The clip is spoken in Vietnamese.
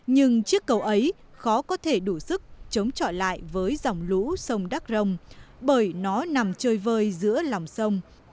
nhưng chiếc cầu ấy khó có thể đủ sức chống trọi lại với dòng lũ sông đắk rông bởi nó nằm chơi vơi giữa lòng sông